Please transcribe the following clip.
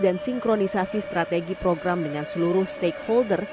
dan sinkronisasi strategi program dengan seluruh stakeholder